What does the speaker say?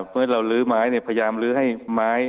เมื่อเราลื้อไม้พยายามลื้อให้ไม้